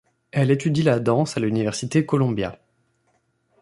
Elle étudie la danse à l'université Columbia.